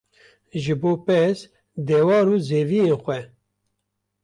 ji bo pez, dewar û zeviyên xwe